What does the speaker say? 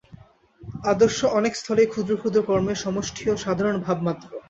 আদর্শ অনেক স্থলেই ক্ষুদ্র ক্ষুদ্র কর্মের সমষ্ঠি ও সাধারণ ভাবমাত্র।